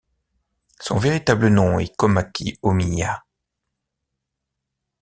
Son véritable nom est Komaki Ōmiya.